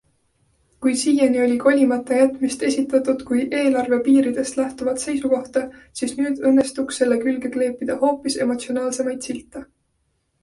Kui siiani oli kolimata jätmist esitatud kui eelarve piiridest lähtuvat seisukohta, siis nüüd õnnestuks sellele külge kleepida hoopis emotsionaalsemaid silte.